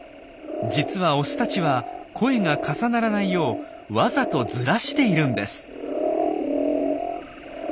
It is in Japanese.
実はオスたちは声が重ならないようわざとずらしているんです。